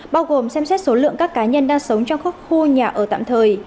bao gồm xem xét số lượng các cá nhân đang sống trong các khu nhà ở tạm thời